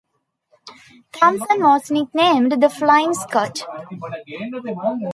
Thomson was nicknamed the Flying Scot.